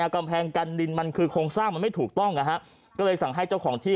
กำแพงกันดินมันคือโครงสร้างมันไม่ถูกต้องนะฮะก็เลยสั่งให้เจ้าของที่